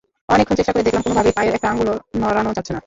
অনেকক্ষণ চেষ্টা করে দেখলাম, কোনোভাবেই পায়ের একটা আঙুলও নড়ানো যাচ্ছে না।